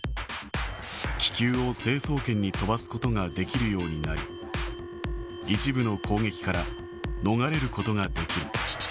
気球を成層圏に飛ばすことができるようになり、一部の攻撃から逃れることができる。